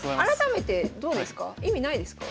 意味ないですか？